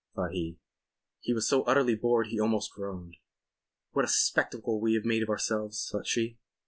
thought he. He was so utterly bored he almost groaned. "What a spectacle we have made of ourselves," thought she.